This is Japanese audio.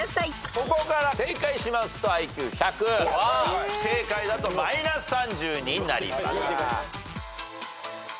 ここから正解しますとＩＱ１００不正解だとマイナス３０になります。